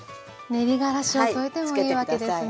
練りがらしを添えてもいいわけですね。